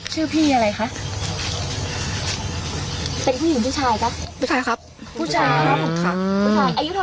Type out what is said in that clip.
ชื่อพี่อะไรคะเป็นผู้หญิงผู้ชายครับผู้ชายครับผู้ชายครับค่ะ